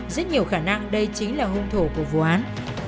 rất nhiều khả năng đây chính là hôn thổ của vụ án